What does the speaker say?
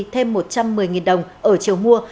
thêm một trăm một mươi đồng ở chiều mua